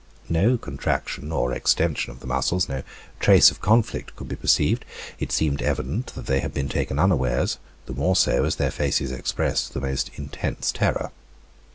No contraction or extension of the muscles, no trace of conflict could be perceived; it seemed evident that they had been taken unawares, the more so as their faces expressed the most intense terror.